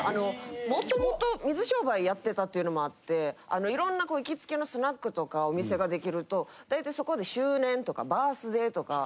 もともと水商売やってたっていうのもあってあの色んな行きつけのスナックとかお店ができると大体そこで。